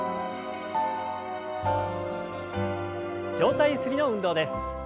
上体ゆすりの運動です。